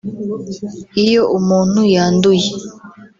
Iyo umuntu yanduye